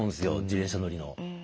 自転車乗りの。